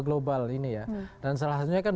global ini ya dan salah satunya kan